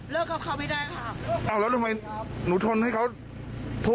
กับเขาไม่ได้ค่ะอ้าวแล้วทำไมหนูทนให้เขาโทษ